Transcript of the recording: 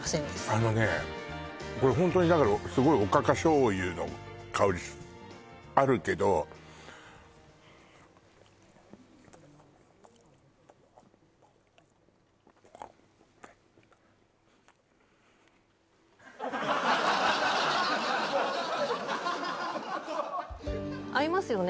あのねこれホントにだからすごいおかか醤油の香りあるけど合いますよね